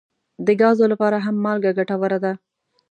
د ګازو لپاره هم مالګه ګټوره ده.